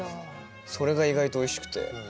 それが意外とおいしくて。